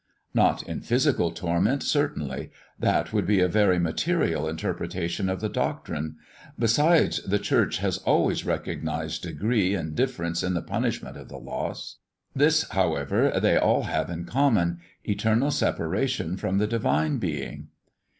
"Not in physical torment, certainly; that would be a very material interpretation of the doctrine. Besides, the Church has always recognised degree and difference in the punishment of the lost. This, however, they all have in common eternal separation from the Divine Being."